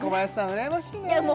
うらやましいねいや